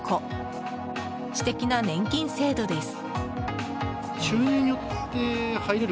私的な年金制度です。